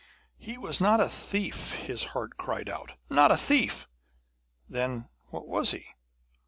'He was not a thief,' his heart cried out, 'not a thief!' Then what was he?